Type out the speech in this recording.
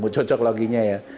cocok loginya ya